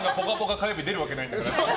火曜日出るわけないんだから。